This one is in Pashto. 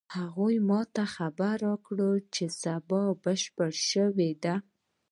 هغې ما ته خبر راکړ چې کار بشپړ شوی ده